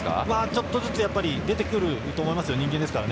ちょっとずつ出てくると思いますよ